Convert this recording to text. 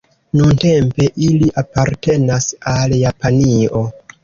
Nuntempe ili apartenas al Japanio.